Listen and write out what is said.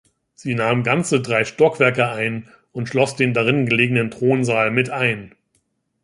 Sie nahm ganze drei Stockwerke ein und schloss den darin gelegenen Thronsaal mit ein.